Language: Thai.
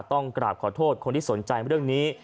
ต้องกราบขอโทษคนที่สนใจเรื่องนี้